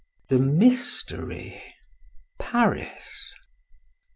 THE MYSTERY. PARIS.